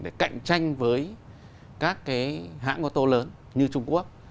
để cạnh tranh với các cái hãng ô tô lớn như trung quốc